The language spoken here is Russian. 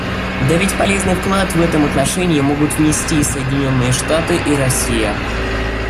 Да ведь полезный вклад в этом отношении могут внести и Соединенные Штаты и Россия.